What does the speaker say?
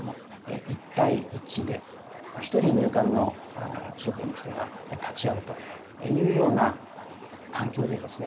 １対１で１人入管の職員の人が立ち会うというような環境でですね